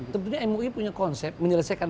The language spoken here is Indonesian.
tentunya mui punya konsep menyelesaikan